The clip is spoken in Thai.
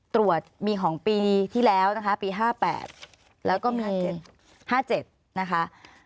ตรวจมีของปีที่แล้วนะคะปี๕๘แล้วก็มี๗๕๗นะคะ